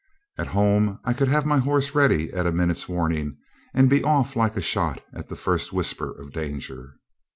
At home I could have my horse ready at a minute's warning, and be off like a shot at the first whisper of danger.